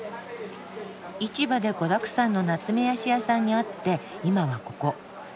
市場で子だくさんのナツメヤシ屋さんに会って今はここ。